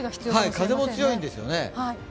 風も強いですね。